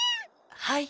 はい。